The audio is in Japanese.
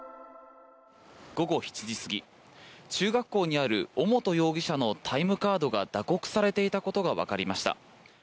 午後７時過ぎ中学校にある、尾本容疑者のタイムカードが打刻されていたことがわかりました。